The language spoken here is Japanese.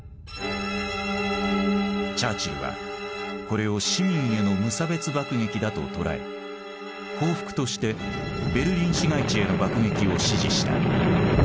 チャーチルはこれを市民への無差別爆撃だと捉え報復としてベルリン市街地への爆撃を指示した。